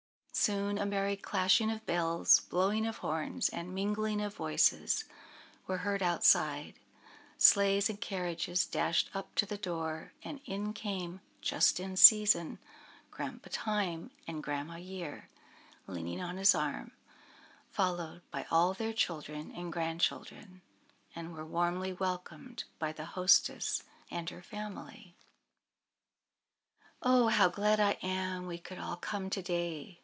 Soon a merry clashing of bells, blowing of horns, and mingling of voices were heard outside, sleighs and carriages dashed up to the door, and in came, "just in season," Grandpa Time, with Grandma Year leaning on his arm, followed by all their children and grandchildren, and were warmly welcomed by the hostess and her family. "Oh, how glad I am we could all come to day!"